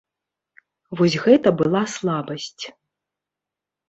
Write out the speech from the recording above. Вось гэта была слабасць.